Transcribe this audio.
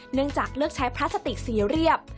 เนื่องจากเลือกใช้พลาสติกซีเรียบ